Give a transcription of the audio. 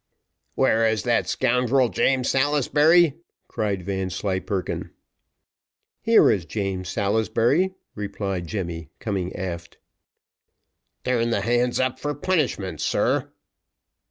"Where is that scoundrel, James Salisbury?" cried Vanslyperken. "Here is James Salisbury," replied Jemmy, coming aft. "Turn the hands up for punishment, sir."